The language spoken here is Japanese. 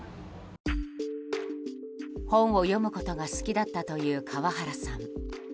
本を読むことが好きだったという川原さん。